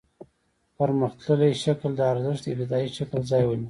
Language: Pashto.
پرمختللي شکل د ارزښت د ابتدايي شکل ځای ونیو